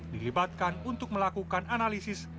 dilibatkan untuk melakukan analisis